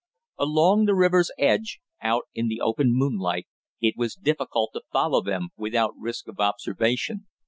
Along the river's edge, out in the open moonlight, it was difficult to follow them without risk of observation.